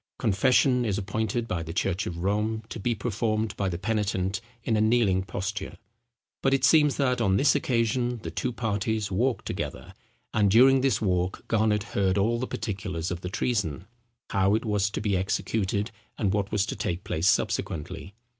Confession is appointed by the church of Rome to be performed by the penitent in a kneeling posture; but it seems that, on this occasion, the two parties walked together; and during this walk Garnet heard all the particulars of the treason—how it was to be executed—and what was to take place subsequently.